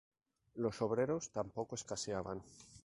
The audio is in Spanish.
Los obreros tampoco escaseaban.